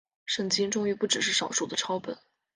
圣经终于不只是少数的抄本了。